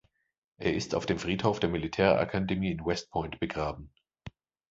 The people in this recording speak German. Er ist auf dem Friedhof der Militärakademie in West Point begraben.